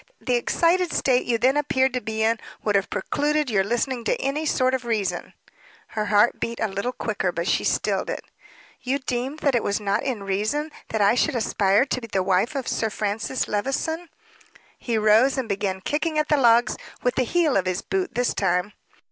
"The excited state you then appeared to be in, would have precluded your listening to any sort of reason." Her heart beat a little quicker; but she stilled it. "You deem that it was not in reason that I should aspire to be the wife of Sir Francis Levison?" He rose and began kicking at the logs; with the heel of his boot this time.